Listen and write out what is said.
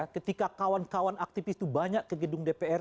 ketika kawan kawan aktivis itu banyak ke gedung dpr